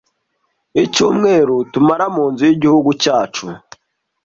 Icyumweru tumara munzu yigihugu cyacu.